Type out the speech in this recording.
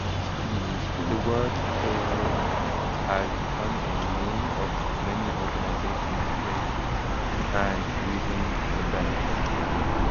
The word cooee has become a name of many organisations, places and even events.